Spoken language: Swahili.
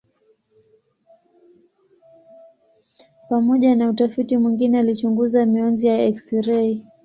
Pamoja na utafiti mwingine alichunguza mionzi ya eksirei.